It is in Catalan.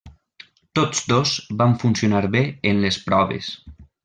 Tots dos van funcionar bé en les proves.